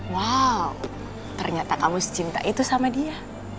wow ternyata kamu secinta itu sama dia